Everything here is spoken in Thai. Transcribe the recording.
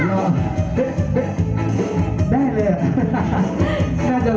หยุดมีท่าหยุดมีท่า